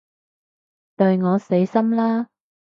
對我死心啦